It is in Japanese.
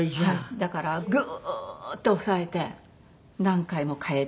だからグーッて押さえて何回も替えて。